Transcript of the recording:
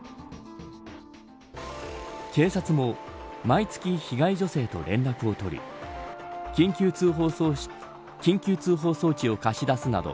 警察も毎月被害女性と連絡を取り緊急通報装置を貸し出すなど